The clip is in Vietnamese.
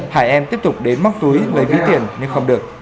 hải em tiếp tục đến móc túi lấy ví tiền nhưng không được